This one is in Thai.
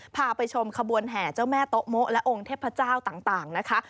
พาไปชมขบวนแห่เจ้าแม่โต๊ะโมะและองค์เทพเจ้าต่างนะคะ